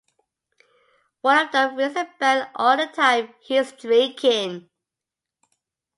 One of them rings a bell all the time he is drinking.